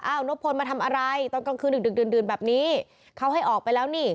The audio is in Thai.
นบพลมาทำอะไรตอนกลางคืนดึกดื่นแบบนี้เขาให้ออกไปแล้วนี่